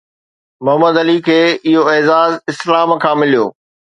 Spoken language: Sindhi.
محمد علي کي اهو اعزاز اسلام کان مليو